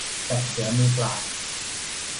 จับเสือมือเปล่า